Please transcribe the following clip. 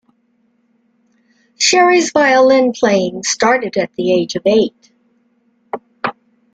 Sherry's violin playing started at the age of eight.